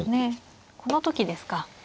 この時ですか。